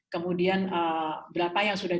kemudian berapa yang sudah